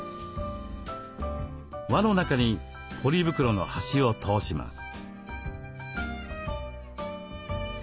輪の中にポリ袋の端を通します。